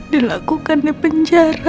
dilakukan di penjara